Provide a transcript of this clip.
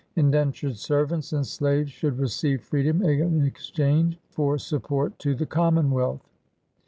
Indentiured servants and slaves should receive freedom in exchange for support to the Common wealth.